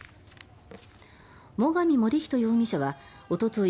最上守人容疑者はおととい